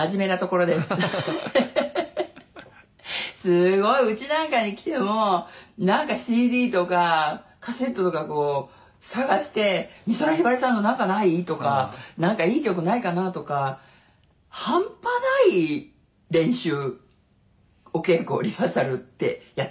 「すごいうちなんかに来てもなんかＣＤとかカセットとかこう探して“美空ひばりさんのなんかない？”とか“なんかいい曲ないかな？”とか半端ない練習お稽古リハーサルってやっていますよね」